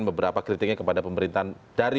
beberapa kritiknya kepada pemerintahan dari